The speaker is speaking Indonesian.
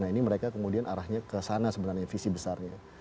nah ini mereka kemudian arahnya kesana sebenarnya visi besarnya